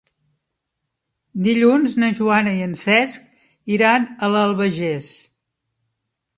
Dilluns na Joana i en Cesc iran a l'Albagés.